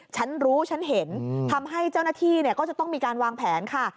ฉันรู้ฉันเห็นทำให้เจ้าหน้าที่ก็จะต้องมีการวางแผนค่ะ